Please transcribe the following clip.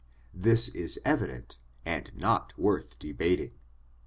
This is evident and not worth debating.